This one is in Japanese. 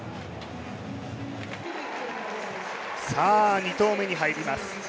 さあ２投目に入ります。